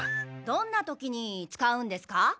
どんな時に使うんですか？